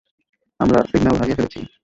আমরা সিগন্যাল হারিয়ে ফেলেছি।